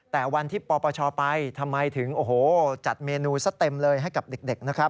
แต่วันที่ปปชไปทำไมถึงโอ้โหจัดเมนูซะเต็มเลยให้กับเด็กนะครับ